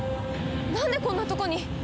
なんでこんなとこに！？